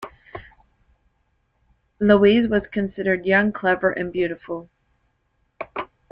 Louise was considered "young, clever, and beautiful".